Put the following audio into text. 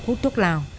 hút thuốc lào